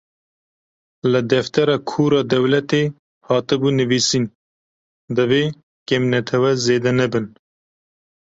Li deftera kûr a dewletê hatibû nivîsîn, divê kêmnetewe zêde nebin.